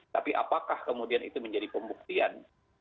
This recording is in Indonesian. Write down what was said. tapi apakah kemudian itu menjadi pembuktian